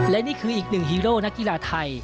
และนี่คืออีกหนึ่งฮีโร่นักกีฬาไทย